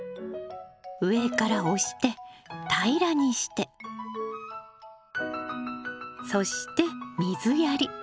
上から押して平らにしてそして水やり。